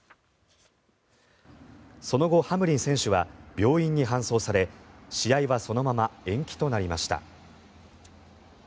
その後、ハムリン選手は病院に搬送され試合はそのまま延期となりました。